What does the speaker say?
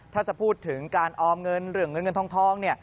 ถ้าจะพูดถึงการออมเงินหรือเงินท้อง